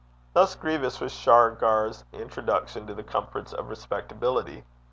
Thus grievous was Shargar's introduction to the comforts of respectability.